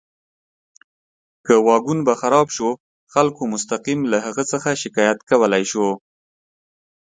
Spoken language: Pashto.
که واګون به خراب شو، خلکو مستقیم له هغه څخه شکایت کولی شو.